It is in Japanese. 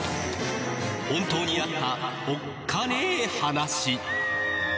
本当にあったおっカネ話！